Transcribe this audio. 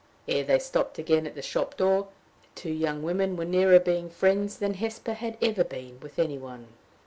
Ere they stopped again at the shop door, the two young women were nearer being friends than Hesper had ever been with any one.